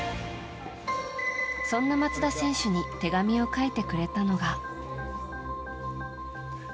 そんな松田選手に手紙を書いてくれたのが。